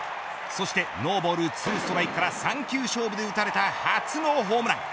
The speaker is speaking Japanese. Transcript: そしてノーボール２ストライクから３球勝負で打たれた初のホームラン。